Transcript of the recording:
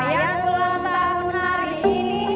yang ulang tahun hari ini